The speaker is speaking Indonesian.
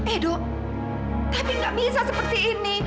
edo kami nggak bisa seperti ini